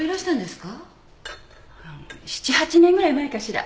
７８年ぐらい前かしら。